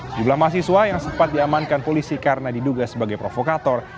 sejumlah mahasiswa yang sempat diamankan polisi karena diduga sebagai provokator